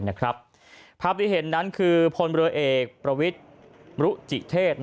ภาพที่เห็นนั้นคือพลเรือเอกประวิทมรุจิเทศ